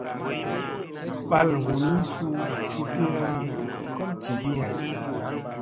Mɓal hunii suu cufina kom jivi hay.